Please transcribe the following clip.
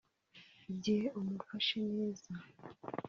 Igihe umufashe neza